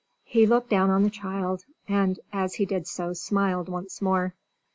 He looked down on the child, and as he did so smiled once more.